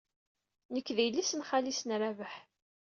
Nekk d yelli-s n xali-s n Rabaḥ.